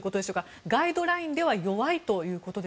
ガイドラインでは弱いと？